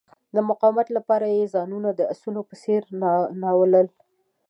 د مقاومت لپاره یې ځانونه د آسونو په څیر نالول.